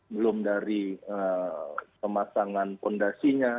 belum dari pemasangan fondasinya